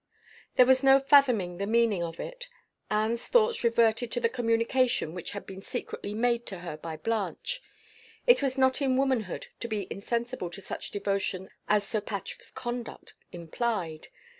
There was no fathoming the meaning of it. Anne's thoughts reverted to the communication which had been secretly made to her by Blanche. It was not in womanhood to be insensible to such devotion as Sir Patrick's conduct implied.